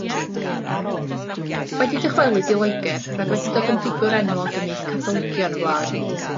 Wedi dychwelyd i Loegr roedd wedi dod yn ffigwr enwog ymysg Catholigion y wlad.